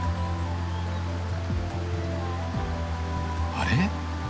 あれ？